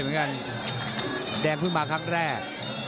แดงเพิ่งมาครั้งแรก